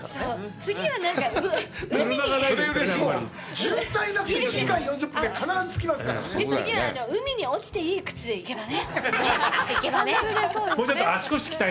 次は海に落ちていい靴で行けばね。